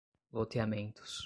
loteamentos